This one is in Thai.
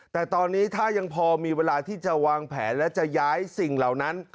แต่ตอนนี้ถ้ายังพอมีเวลาที่จะวางแผนและจะย้ายสิ่งเหล่านั้น